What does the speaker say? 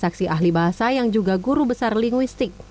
saksi ahli bahasa yang juga guru besar linguistik